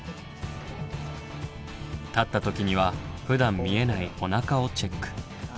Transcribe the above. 立った時にはふだん見えないおなかをチェック。